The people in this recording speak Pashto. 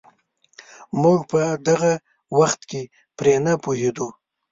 موږ په دغه وخت کې پرې نه پوهېدو.